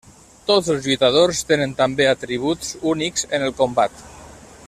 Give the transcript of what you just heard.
Tots els lluitadors tenen també atributs únics en el combat.